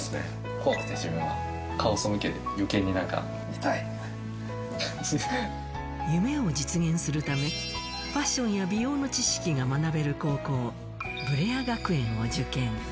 怖くて自分は、夢を実現するため、ファッションや美容の知識が学べる高校、ブレア学園を受験。